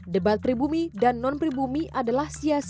debat pribumi dan non pribumi adalah hal yang tidak terjadi